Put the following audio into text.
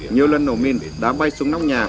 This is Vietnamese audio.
nhiều lần nổ minh đã bay xuống nóng nhà